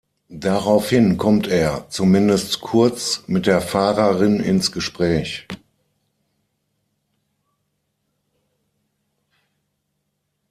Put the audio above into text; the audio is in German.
Daraufhin kommt er, zumindest kurz, mit der Fahrerin ins Gespräch.